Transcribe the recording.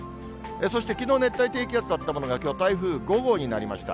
そして、きのう熱帯低気圧だったものがきょう、台風５号になりました。